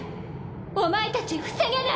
お前たち防げない！